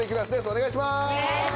お願いします！